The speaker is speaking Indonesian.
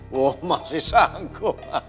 wah masih sanggup